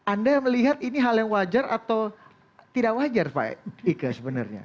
anda melihat ini hal yang wajar atau tidak wajar pak ika sebenarnya